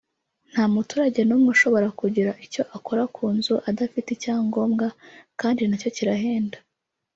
Nta muturage n’umwe ushobora kugira icyo akora ku nzu adafite icyangobwa kandi na cyo kirahenda “